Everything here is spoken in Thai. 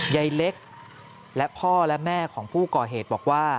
ยายเล็กและพ่อและแม่ของผู้ก่อเหตุบอกว่า